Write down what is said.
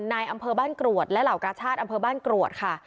ในอำเภอบ้านกรวดและเหล่ากาชาติอำเภอบ้านกรวดค่ะ